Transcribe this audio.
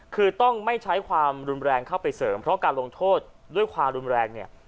คือต้องไม่ใช้ความรุนแรงเข้าไปเสริมเพราะการลงโทษด้วยความรุนแรงเนี่ย